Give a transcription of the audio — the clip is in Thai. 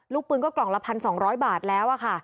ปืนก็กล่องละ๑๒๐๐บาทแล้วค่ะ